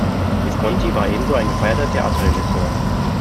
Visconti war ebenso ein gefeierter Theaterregisseur.